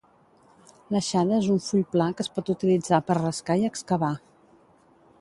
L'aixada és un full pla que es pot utilitzar per rascar i excavar.